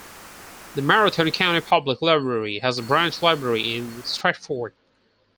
The Marathon County Public Library has a branch library in Stratford.